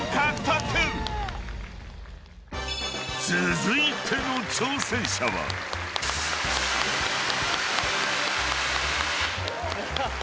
［続いての挑戦者は］